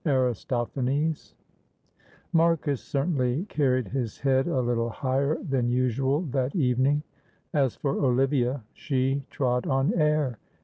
Aristophanes. Marcus certainly carried his head a little higher than usual that evening; as for Olivia, she trod on air.